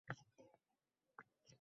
Bunga hozir ham ishonaman